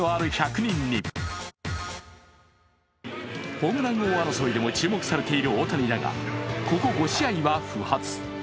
ホームラン王争いでも注目されている大谷だが、ここ５試合は不発。